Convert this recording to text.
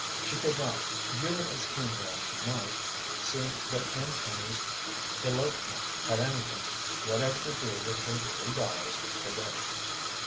She could not, view it as keenly as she might, see that Jim Tenny's elopement had anything whatever to do with her three dollars per day.